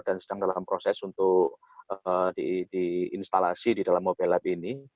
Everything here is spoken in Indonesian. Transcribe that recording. dan sedang dalam proses untuk diinstalasi di dalam mobile lab ini